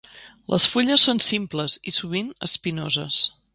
Les fulles són simples i sovint espinoses.